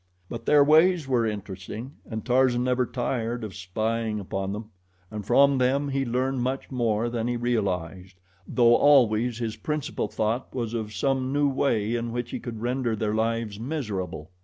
But their ways were interesting, and Tarzan never tired of spying upon them, and from them he learned much more than he realized, though always his principal thought was of some new way in which he could render their lives miserable.